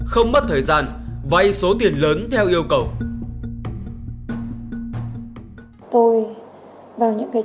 không mất thời gian vay số tiền lớn theo yêu cầu